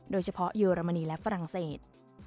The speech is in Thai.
โดยเฉพาะเยอรมนีและฝรั่งเศส